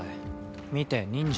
見て忍者。